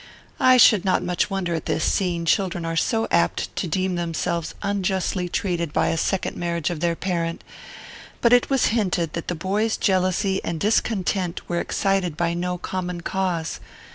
I should not much wonder at this, seeing children are so apt to deem themselves unjustly treated by a second marriage of their parent; but it was hinted that the boy's jealousy and discontent were excited by no common cause.